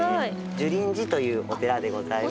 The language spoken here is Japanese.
樹林寺というお寺でございます。